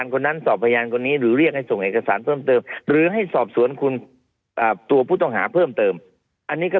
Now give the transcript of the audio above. งั้นไม่รู้จะลงผมหรือลงใคร